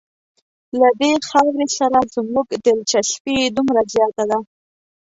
له دې خاورې سره زموږ دلچسپي دومره زیاته ده.